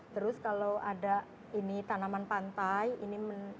terus kalau ada ini tanaman pantai ini